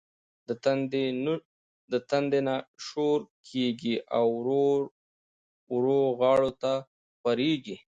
د تندي نه شورو کيږي او ورو ورو غاړو ته خوريږي